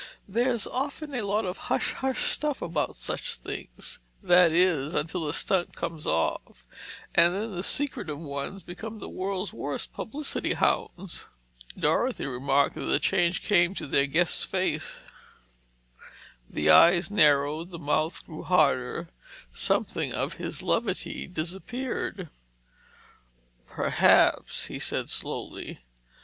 "There's often a lot of hush hush stuff about such things—that is, until the stunt comes off—and then the secretive ones become the world's worst publicity hounds!" Dorothy remarked the change that came to their guest's face: the eyes narrowed, the mouth grew harder; something of his levity disappeared. "Perhaps," he said slowly.